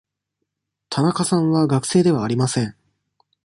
田中さんは学生ではありません。